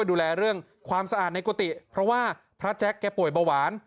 ดูแลเรื่องความสะอาดในกุฏิเพราะว่าพระแจ๊คแกป่วยเบาหวาน